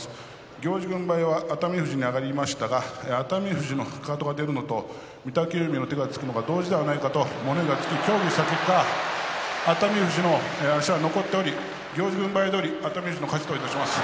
行司軍配は熱海富士に上がりましたが熱海富士のかかとが出るのと御嶽海の手がつくのが同時ではないかと物言いがつき協議した結果熱海富士の足が残っており行司軍配どおり熱海富士の勝ちといたします。